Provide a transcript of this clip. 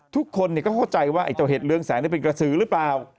ทุกคนก็เข้าใจว่าไอ้เจ้าเห็ดเรืองแสงเป็นกระสือหรือเปล่า